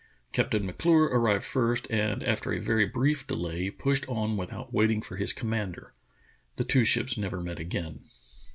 Captain M'Clure arrived first, and after a very brief delay pushed on without waiting for his com mander. The two ships never met again.